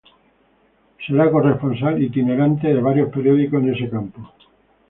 Será corresponsal itinerante de varios periódicos en ese campo.